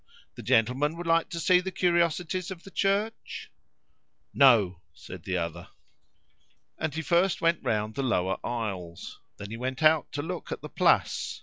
The gentleman would like to see the curiosities of the church?" "No!" said the other. And he first went round the lower aisles. Then he went out to look at the Place.